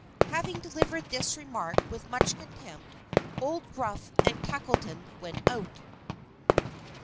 Having delivered this remark with much contempt, old Gruff and Tackleton went out.